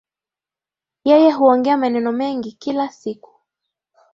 Yeye huongea maneno mengi kila siku